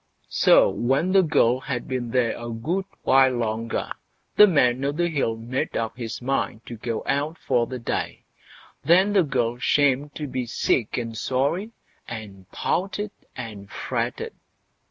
So when the girl had been there a good while longer, the Man o' the Hill made up his mind to go out for the day; then the girl shammed to be sick and sorry, and pouted and fretted.